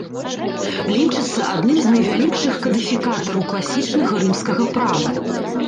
Лічыцца адным з найвялікшых кадыфікатараў класічнага рымскага права.